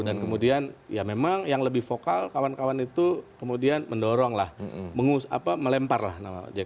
dan kemudian ya memang yang lebih vokal kawan kawan itu kemudian mendorong lah melempar lah